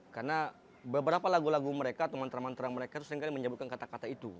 karena beberapa lagu lagu mereka atau mantra mantra mereka seringkali menyebutkan kata kata itu